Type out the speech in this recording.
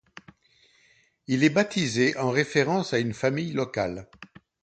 Il est baptisé en référence à une famille locale.